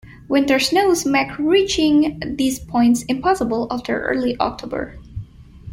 Winter snows make reaching these points impossible after early October.